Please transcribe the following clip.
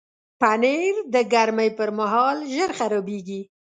پنېر د ګرمۍ پر مهال ژر خرابیږي.